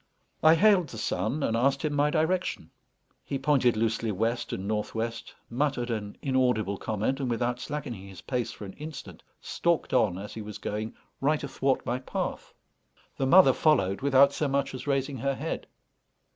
I hailed the son, and asked him my direction. He pointed loosely west and north west, muttered an inaudible comment, and, without slackening his pace for an instant, stalked on, as he was going, right athwart my path. The mother followed without so much as raising her head.